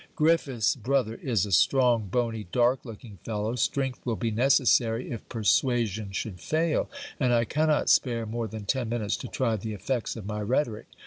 Griffiths' brother is a strong, bony, dark looking fellow. Strength will be necessary, if persuasion should fail; and I cannot spare more than ten minutes to try the effects of my rhetoric.